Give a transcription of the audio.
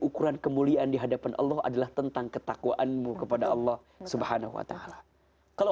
ukuran kemuliaan di hadapan allah adalah tentang ketakwaanmu kepada allah subhanahu wa ta'ala kalau